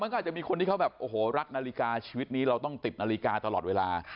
ก็อาจจะมีคนที่เขาแบบโอ้โหรักนาฬิกาชีวิตนี้เราต้องติดนาฬิกาตลอดเวลา